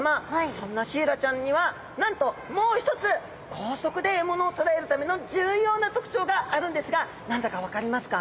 そんなシイラちゃんにはなんともう一つ高速で獲物をとらえるための重要な特徴があるんですが何だか分かりますか？